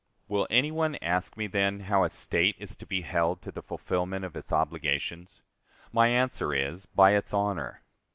Will any one ask me, then, how a State is to be held to the fulfillment of its obligations? My answer is, by its honor.